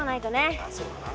ああそうだな。